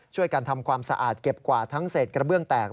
ช่วยกันทำความสะอาดเก็บกวาดทั้งเศษกระเบื้องแตก